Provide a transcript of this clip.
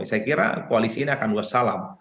saya kira koalisi ini akan wassalam